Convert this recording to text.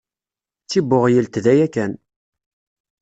D tibbuɣyelt daya kan.